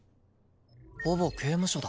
ほぼ刑務所だ。